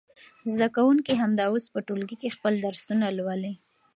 زده کوونکي همدا اوس په ټولګي کې خپل درسونه لولي.